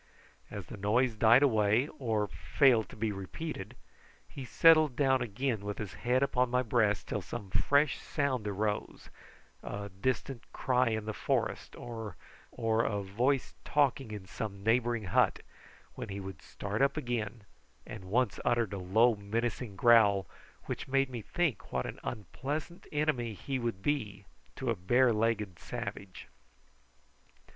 As the noise died away or failed to be repeated, he settled down again with his head upon my breast till some fresh sound arose a distant cry in the forest, or a voice talking in some neighbouring hut, when he would start up again, and once uttered a low menacing growl, which made me think what an unpleasant enemy he would be to a bare legged savage.